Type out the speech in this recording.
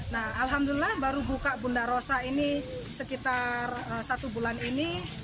nah alhamdulillah baru buka bunda rosa ini sekitar satu bulan ini